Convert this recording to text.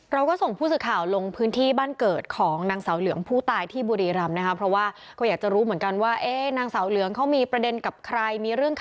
เราก็ส่งผู้สื่อข่าวลงพื้นที่บ้านเกิดของนางเสาเหลืองผู้ตายที่บุรีรำนะคะเพราะว่าก็อยากจะรู้เหมือนกันว่านางสาวเหลืองเขามีประเด็นกับใครมีเรื่อง